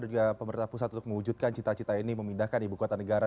dan juga pemerintah pusat untuk mewujudkan cita cita ini memindahkan ibu kota negara